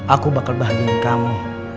aku bakal bahagiain kamu